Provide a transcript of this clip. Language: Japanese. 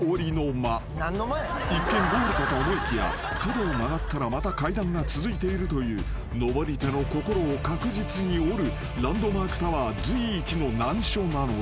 ［一見ゴールかと思いきや角を曲がったらまた階段が続いているという上り手の心を確実に折るランドマークタワー随一の難所なのだ］